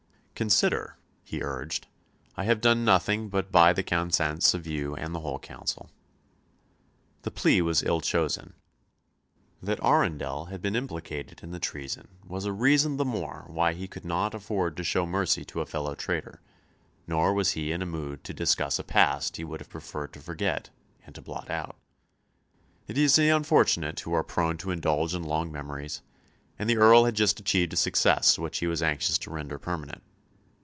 "Consider," he urged, "I have done nothing but by the consents of you and all the whole Council." The plea was ill chosen. That Arundel had been implicated in the treason was a reason the more why he could not afford to show mercy to a fellow traitor; nor was he in a mood to discuss a past he would have preferred to forget and to blot out. It is the unfortunate who are prone to indulge in long memories, and the Earl had just achieved a success which he was anxious to render permanent.